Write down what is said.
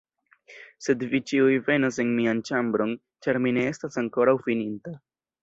Sed vi ĉiuj venos en mian ĉambron, ĉar mi ne estas ankoraŭ fininta.